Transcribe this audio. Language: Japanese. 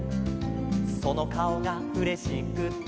「そのかおがうれしくて」